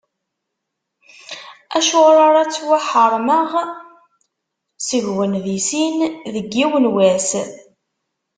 Acuɣer ara ttwaḥeṛmeɣ seg-wen di sin, deg yiwen n wass?